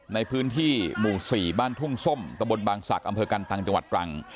ในพื้นที่หมู่๔บ้านทุ่งส้มตะบนบางศักดิ์อำเภอกันตังจังหวัดตรัง